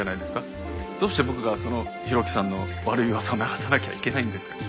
どうして僕がその浩喜さんの悪い噂を流さなきゃいけないんですか？